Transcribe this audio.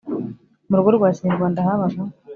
Mu rugo rwa Kinyarwanda habaga